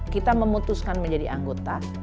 kita memutuskan menjadi anggota